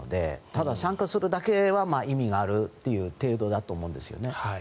ただ、参加するだけは意味があるという程度だと思うんですよね。